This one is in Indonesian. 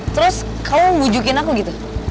terus kamu bujurin aku